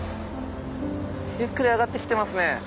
ゆっくり上がってきてますね。